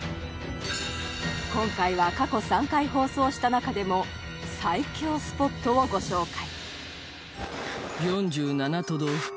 今回は過去３回放送した中でも最恐スポットをご紹介